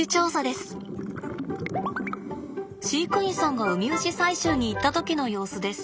飼育員さんがウミウシ採集に行った時の様子です。